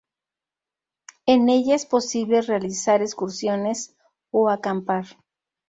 En ella es posible realizar excursiones o acampar.